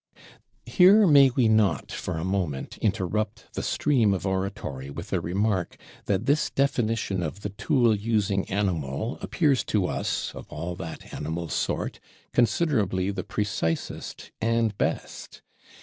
Here may we not, for a moment, interrupt the stream of Oratory with a remark, that this Definition of the Tool using Animal appears to us, of all that Animal sort, considerably the precisest and best?